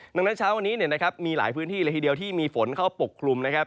ดังนั้นเช้าวันนี้มีหลายพื้นที่เลยทีเดียวที่มีฝนเข้าปกคลุมนะครับ